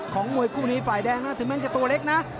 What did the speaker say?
มวยคู่นี้ฝ่ายแดงนะถึงแม้นจะตัวเล็กนะ